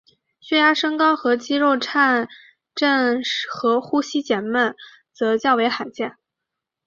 血压升高和肌肉震颤和呼吸减慢则较罕见。